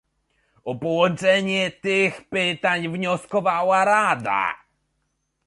O połączenie tych pytań wnioskowała Rada